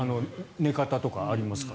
寝方とかありますから。